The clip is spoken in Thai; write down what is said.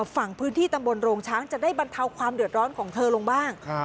ฝั่งพื้นที่ตำบลโรงช้างจะได้บรรเทาความเดือดร้อนของเธอลงบ้าง